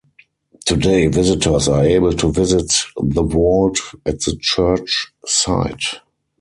Today visitors are able to visit the vault at the church site.